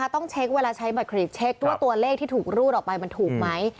ต้องเช็คเวลาใช้บัตรเครดเช็คด้วยตัวเลขที่ถูกรูดออกไปมันถูกไหม